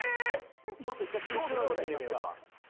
ちょっと１回スローで見てみますか。